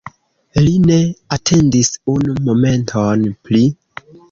Li ne atendis unu momenton pli.